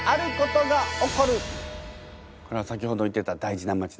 これは先ほど言ってた大事な街ですね。